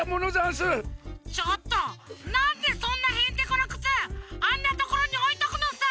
ちょっとなんでそんなへんてこなくつあんなところにおいとくのさ！